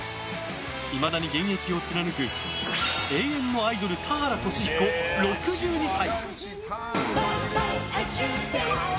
いまだに現役を貫く永遠のアイドル田原俊彦、６２歳。